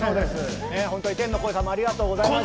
天の声さんもありがとうございました。